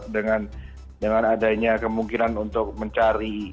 dengan adanya kemungkinan untuk mencari